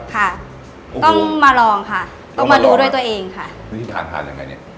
ค่ะต้องมาลองค่ะต้องมาดูด้วยตัวเองค่ะวิธีการทานยังไงเนี้ย